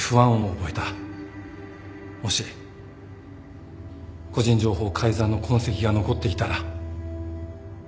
もし個人情報改ざんの痕跡が残っていたら。